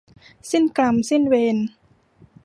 สิ้นกรรมสิ้นเวร